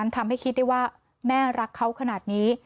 ทำให้คิดได้ว่าแม่รักเขาขนาดนี้